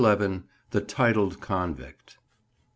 THE TITLED CONVICT.